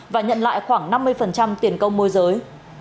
và nhận lại khoảng năm mươi tiền công môi giới